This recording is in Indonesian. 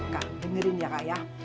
kak dengerin ya kak ya